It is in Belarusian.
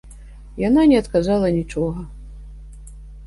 Яна не адказала нічога.